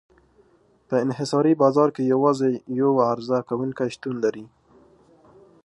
په انحصاري بازار کې یوازې یو عرضه کوونکی شتون لري.